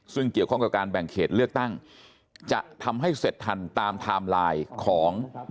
ซึ่งเกี่ยวข้องกับการแบ่งเขตเลือกตั้งจะทำให้เสร็จทันตามไทม์ไลน์ของ